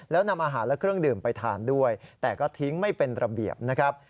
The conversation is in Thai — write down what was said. แล้วนำอาหารและเครื่องดื่มไปทานด้วยแต่ก็ทิ้งไม่เป็นระเบียบนะครับ